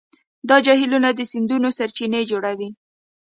دا جهیلونه د سیندونو سرچینې جوړوي.